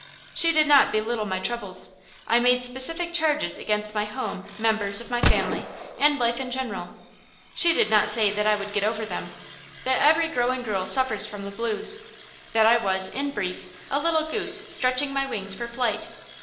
She did not belittle my troubles I made specific charges against my home, members of my family, and life in general; she did not say that I would get over them, that every growing girl suffers from the blues; that I was, in brief, a little goose stretching my wings for flight.